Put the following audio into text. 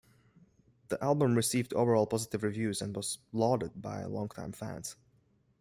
The album received overall positive reviews and was lauded by long-time fans.